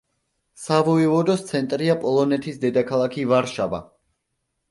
სავოევოდოს ცენტრია პოლონეთის დედაქალაქი ვარშავა.